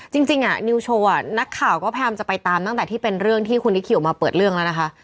นิวโชว์นักข่าวก็พยายามจะไปตามตั้งแต่ที่เป็นเรื่องที่คุณนิคิวมาเปิดเรื่องแล้วนะคะ